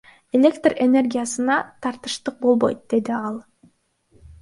Электр энергиясына тартыштык болбойт, — деди ал.